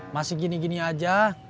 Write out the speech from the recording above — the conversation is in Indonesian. masih gini gini aja